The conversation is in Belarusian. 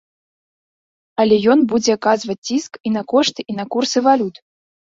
Але ён будзе аказваць ціск і на кошты і на курсы валют.